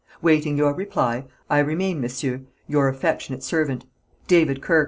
Waiting your reply, I remain, messieurs, your affectionate servant, "David Quer.